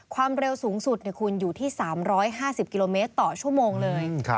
ความเร็วสูงสุดคุณอยู่ที่๓๕๐กิโลเมตรต่อชั่วโมงเลย